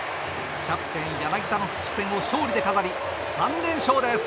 キャプテン柳田の復帰戦を勝利で飾り、３連勝です。